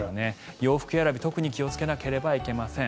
洋服選び、特に気をつけなければいけません。